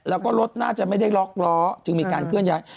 แล้วก็รถน่าจะไม่ได้ล็อกล้อจึงมีการเคลื่อนย้าย